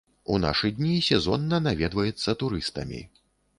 У нашы дні сезонна наведваецца турыстамі.